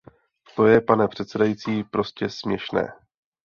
To je, pane předsedající, prostě směšné.